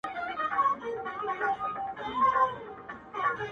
o زه وايم، زه دې ستا د زلفو تور ښامار سم؛ ځکه،